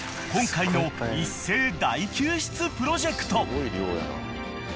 今回の一斉大救出プロジェクト］